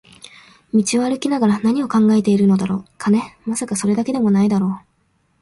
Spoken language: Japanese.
道を歩きながら何を考えているのだろう、金？まさか、それだけでも無いだろう